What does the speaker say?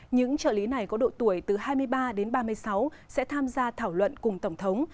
những trợ lý này có độ tuổi từ hai mươi ba đến ba mươi sáu sẽ tham gia thảo luận cùng tổng thống